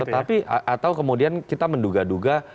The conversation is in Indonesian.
tapi atau kemudian kita menduga duga